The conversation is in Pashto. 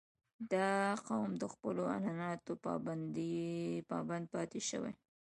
• دا قوم د خپلو عنعناتو پابند پاتې شوی.